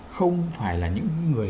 không phải là những người